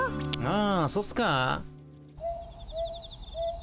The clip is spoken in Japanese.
あそっすか？